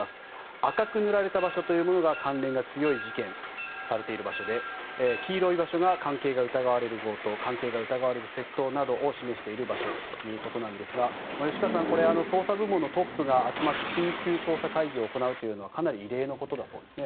赤く塗られている場所が関連が強い事件とされている場所で黄色い場所が関係が疑われる強盗・窃盗などを示している場所ということですが捜査部門のトップが集まり緊急捜査会議を行うのはかなり異例なことだそうですね。